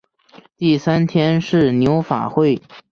第三天是牛法会。